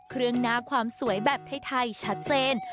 เครื่องหน้าความสวยแบบไทยชัดเจน